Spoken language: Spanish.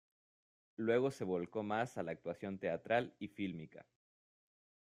Luego se volcó más a la actuación teatral y fílmica.